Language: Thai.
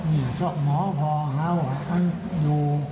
ม้อน้อยพาวร์ชาวกาล